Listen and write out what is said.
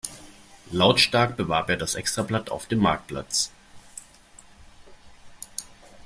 Lautstark bewarb er das Extrablatt auf dem Marktplatz.